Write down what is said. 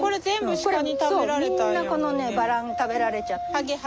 そうみんなこのバラン食べられちゃって。